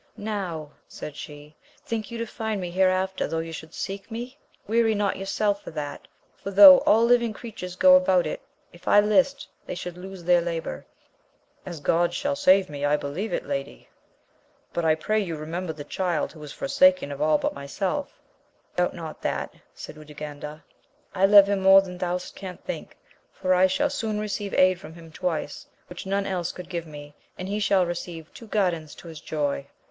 Now, said she, think you to find me hereafter though you should seek me ? weary not yourself for that, for though all living creatures go about it, if I Hst, they should lose their labour. As God shall save me, I believe it, lady ! but I pray you remember the child who is forsaken of all but myself Doubt not that, said Urganda, I love him more than thou canst think, for I shall soon re ceive aid from him twice, which none else could give me, and he shall receive two guerdons to his joy.